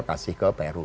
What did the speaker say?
kasih ke peru